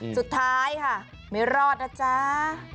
สุดท้ายค่ะไม่รอดแล้วจ้า